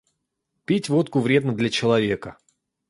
Пить водку вредно для человека